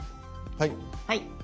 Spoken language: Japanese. はい。